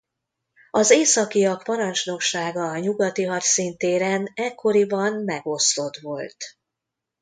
Az északiak parancsnoksága a nyugati hadszíntéren ekkoriban megosztott volt.